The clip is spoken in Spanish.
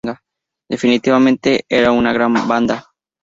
Definitivamente, eran una gran banda.